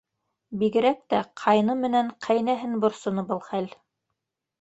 Бигерәк тә ҡайны менән ҡәйнәһен борсоно был хәл.